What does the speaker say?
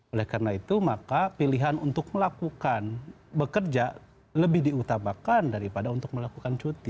oleh karena itu maka pilihan untuk melakukan bekerja lebih diutamakan daripada untuk melakukan cuti